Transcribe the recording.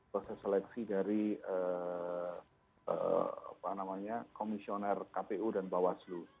proses seleksi dari komisioner kpu dan bawaslu